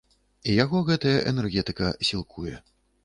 І яго гэтая энергетыка сілкуе.